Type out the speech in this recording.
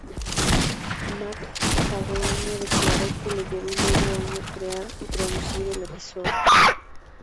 MacFarlane declaró que le llevó medio año crear y producir el episodio.